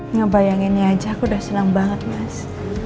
ngebayangin aja aku udah seneng banget mas